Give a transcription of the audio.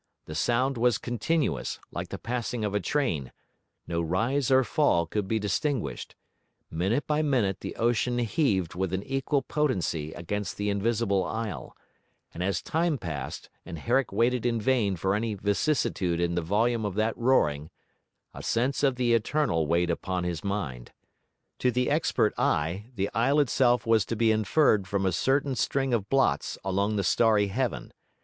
The sound was continuous, like the passing of a train; no rise or fall could be distinguished; minute by minute the ocean heaved with an equal potency against the invisible isle; and as time passed, and Herrick waited in vain for any vicissitude in the volume of that roaring, a sense of the eternal weighed upon his mind. To the expert eye the isle itself was to be inferred from a certain string of blots along the starry heaven.